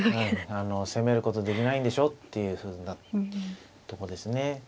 攻めることできないんでしょっていうふうなとこですね。